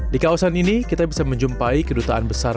di kawasan ini kita bisa menjumpai kedutaan besar